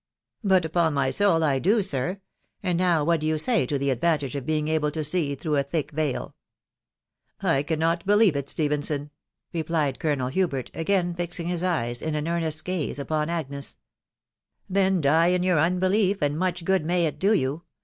'*" But* upon my soul, I d&> sir. •. Aad now what do yp* say to the advantage of being able to see through & tbkkrvtal ?."" I cannot believe it, Stephenson," ..«.• replied Colonel Hubert, again fixing his eyes in an earnest gaze upon Agnes* " Then die in your unbelief/ and much good x&a^ittlo* you.